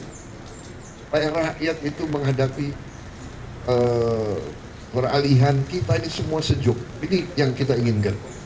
supaya rakyat itu menghadapi peralihan kita ini semua sejuk ini yang kita inginkan